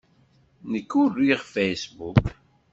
Nekk ur riɣ Facebook.